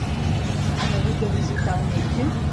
Han hagut de visitar el metge?